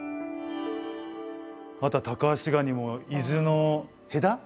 またタカアシガニも伊豆の戸田？